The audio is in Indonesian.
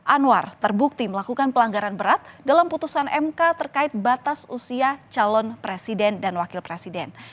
anwar terbukti melakukan pelanggaran berat dalam putusan mk terkait batas usia calon presiden dan wakil presiden